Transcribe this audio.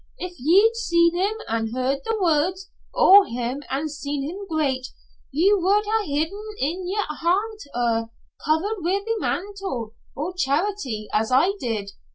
If ye'd seen him an' heard the words o' him and seen him greet, ye would ha' hid him in yer hairt an' covered wi' the mantle o' charity, as I did.